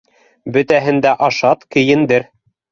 Бөтәһен дә ашат, кейендер.